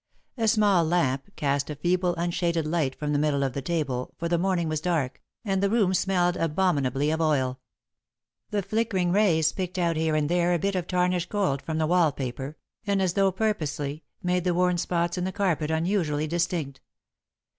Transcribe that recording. A small lamp cast a feeble, unshaded light from the middle of the table, for the morning was dark, and the room smelled abominably of oil. The flickering rays picked out here and there a bit of tarnished gold from the wall paper, and, as though purposely, made the worn spots in the carpet unusually distinct.